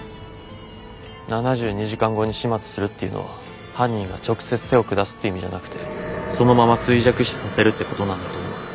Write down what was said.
７２時間後に始末するっていうのは犯人が直接手を下すって意味じゃなくてそのまま衰弱死させるってことなんだと思う。